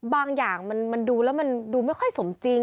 บางอย่างมันดูแล้วมันดูไม่ค่อยสมจริง